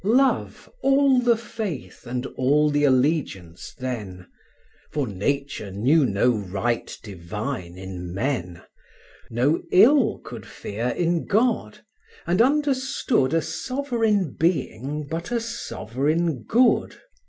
Love all the faith, and all the allegiance then; For Nature knew no right divine in men, No ill could fear in God; and understood A sovereign being but a sovereign good.